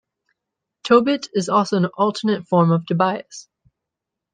Tobit is also an alternate form of Tobias.